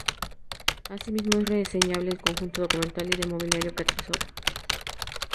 Asimismo, es reseñable el conjunto documental y de mobiliario que atesora.